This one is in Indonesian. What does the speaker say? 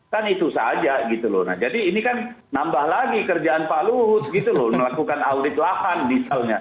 kan itu saja gitu loh nah jadi ini kan nambah lagi kerjaan pak luhut gitu loh melakukan audit lahan misalnya